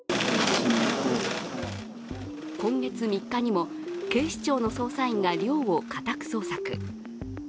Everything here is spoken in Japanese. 今月３日にも警視庁の捜査員が寮を家宅捜索。